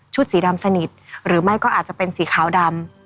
สีดำสนิทหรือไม่ก็อาจจะเป็นสีขาวดำ